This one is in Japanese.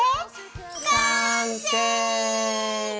完成！